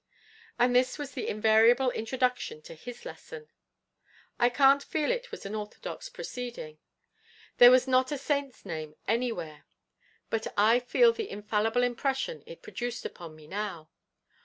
And this was the invariable introduction to his lesson. I can't feel it was an orthodox proceeding: There was not a Saint's name anywhere! But I feel the infallible impression it produced upon me now.